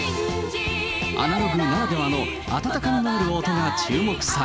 アナログならではの温かみのある音が注目され。